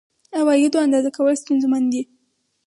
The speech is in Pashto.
عوایدو اندازه کول ستونزمن دي.